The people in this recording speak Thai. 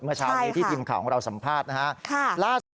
เมื่อเช้านี้ที่ทีมข่าวของเราสัมภาษณ์นะฮะ